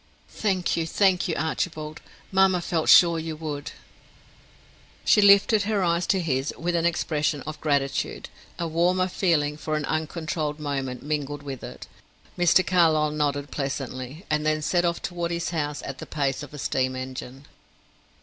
"Thank you, thank you, Archibald. Mamma felt sure you would." She lifted her eyes to his with an expression of gratitude; a warmer feeling for an uncontrolled moment mingled with it. Mr. Carlyle nodded pleasantly, and then set off toward his house at the pace of a steam engine.